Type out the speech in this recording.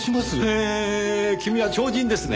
へえ君は超人ですね。